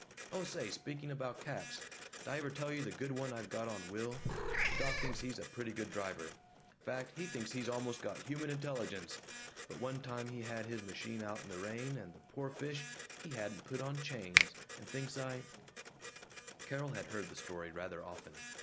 ... Oh say, speaking about caps, d'I ever tell you the good one I've got on Will? The doc thinks he's a pretty good driver, fact, he thinks he's almost got human intelligence, but one time he had his machine out in the rain, and the poor fish, he hadn't put on chains, and thinks I " Carol had heard the story rather often.